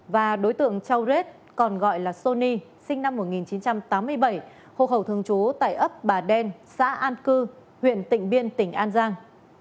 và đối tượng châu rết còn gọi là sony sinh năm một nghìn chín trăm tám mươi bảy hộ khẩu thường trú tại ấp bà đen xã an cư huyện tỉnh biên tỉnh an giang